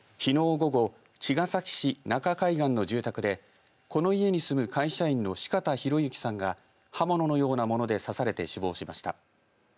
午後茅ヶ崎市中海岸の住宅でこの家に住む会社員の四方洋行さんが刃物のようなもので刺されて死亡しました。